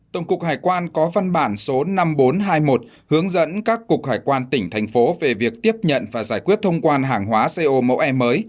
tổng cục hải quan có văn bản số năm nghìn bốn trăm hai mươi một hướng dẫn các cục hải quan tỉnh thành phố về việc tiếp nhận và giải quyết thông quan hàng hóa co mẫu e mới